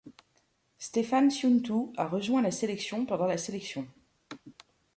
Stefan Ciuntu a rejoint la sélection pendant la sélection.